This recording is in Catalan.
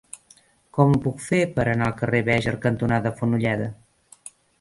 Com ho puc fer per anar al carrer Béjar cantonada Fonolleda?